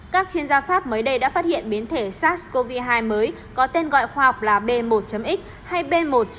các chuyên gia pháp mới đây đã phát hiện biến thể sars cov hai mới có tên gọi khoa học là b một x hay b một sáu trăm bốn mươi